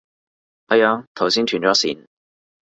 係啊，頭先斷咗線